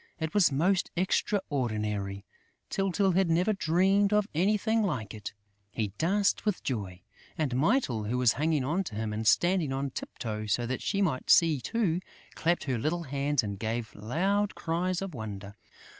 It was most extraordinary! Tyltyl had never dreamed of anything like it! He danced with joy; and Mytyl, who was hanging on to him and standing on tip toe so that she might see too, clapped her little hands and gave loud cries of wonder.